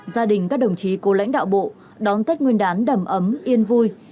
gia đình các đồng chí cố lãnh đạo bộ đón tết nguyên đán đầm ấm yên vui